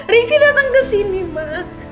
ricky datang kesini ma